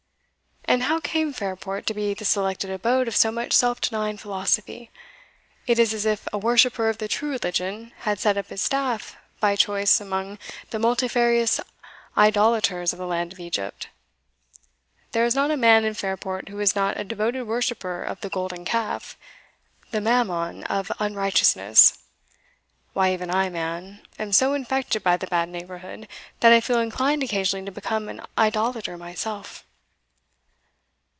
And how came Fairport to be the selected abode of so much self denying philosophy? It is as if a worshipper of the true religion had set up his staff by choice among the multifarious idolaters of the land of Egypt. There is not a man in Fairport who is not a devoted worshipper of the Golden Calf the mammon of unrighteousness. Why, even I, man, am so infected by the bad neighbourhood, that I feel inclined occasionally to become an idolater myself."